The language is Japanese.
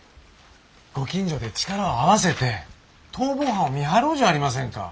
ご近所で力を合わせて逃亡犯を見張ろうじゃありませんか。